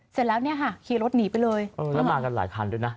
เสร็จแล้วเนี่ยค่ะขี่รถหนีไปเลยเออแล้วมากันหลายคันด้วยนะ